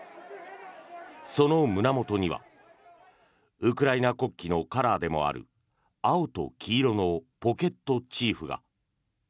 その胸元にはウクライナ国旗のカラーでもある青と黄色のポケットチーフが。